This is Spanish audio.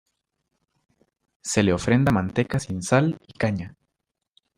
Se le ofrenda manteca sin sal y caña.